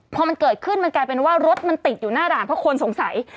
พอมันเกิดขึ้นมันกลายเป็นว่ารถมันติดอยู่หน้าด่านเพราะคนสงสัย